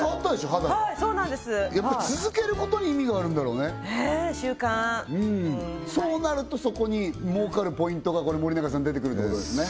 肌はいそうなんですやっぱ続けることに意味があるんだろうねええ習慣うんそうなるとそこに儲かるポイントがこれ森永さん出てくるということですね？